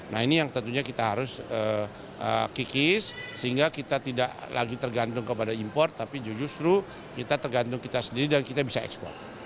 nah ini yang tentunya kita harus kikis sehingga kita tidak lagi tergantung kepada impor tapi justru kita tergantung kita sendiri dan kita bisa ekspor